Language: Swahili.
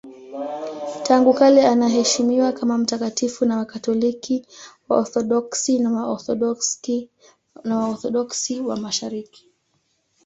Tangu kale anaheshimiwa kama mtakatifu na Wakatoliki, Waorthodoksi na Waorthodoksi wa Mashariki.